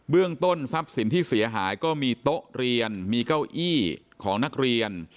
เรื่องต้นทรัพย์สินที่เสียหายก็มีโต๊ะเรียนมีเก้าอี้ของนักเรียน